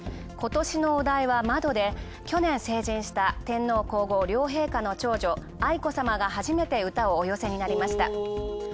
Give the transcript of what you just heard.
今年のお題は窓で去年、成人した天皇・皇后両陛下の長女、愛子さまが初めて歌をお寄せになりました。